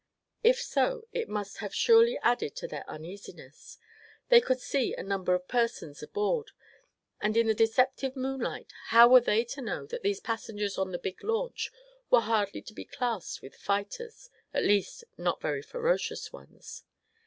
If so, it must have surely added to their uneasiness. They could see a number of persons aboard, and in the deceptive moonlight how were they to know that these passengers on the big launch were hardly to be classed with fighters, at least not very ferocious ones?